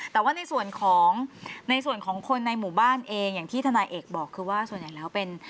แต่ว่าในส่วนของในส่วนของคนในหมู่บ้านเองอย่างที่ทนายเอกบอกคือว่าส่วนใหญ่แล้วเป็น